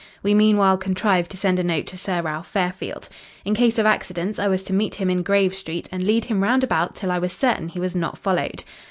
We meanwhile contrived to send a note to Sir Ralph Fairfield. In case of accidents, I was to meet him in Grave Street and lead him round about till I was certain he was not followed."